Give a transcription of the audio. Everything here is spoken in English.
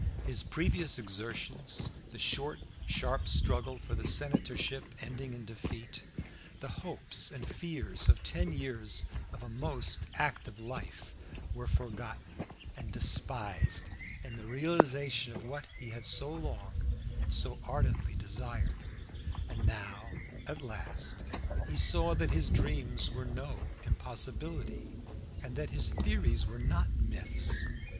His previous exertions, the short sharp struggle for the senatorship ending in defeat, the hopes and fears of ten years of a most active life, were forgotten and despised in the realization of what he had so long and so ardently desired, and now at last he saw that his dreams were no impossibility, and that his theories were not myths.